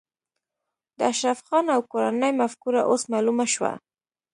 د اشرف خان او کورنۍ مفکوره اوس معلومه شوه